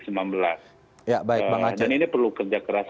dan ini perlu kerja keras